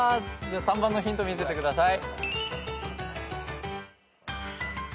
３番のヒント見せてください。